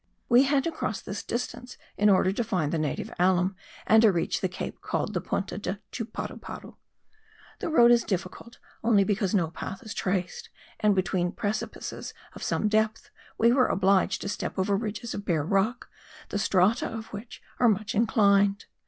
We had to cross this distance in order to find the native alum and to reach the cape called the Punta de Chuparuparu. The road is difficult only because no path is traced; and between precipices of some depth we were obliged to step over ridges of bare rock, the strata of which are much inclined.